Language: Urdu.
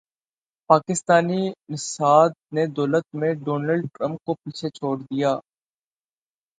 پاکستانی نژاد نے دولت میں ڈونلڈ ٹرمپ کو پیچھے چھوڑ دیا